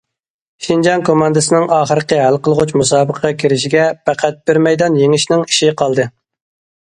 شىنجاڭ كوماندىسىنىڭ ئاخىرقى ھەل قىلغۇچ مۇسابىقىگە كىرىشىگە پەقەت بىر مەيدان يېڭىشنىڭ ئىشى قالدى.